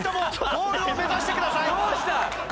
ゴールを目指してください。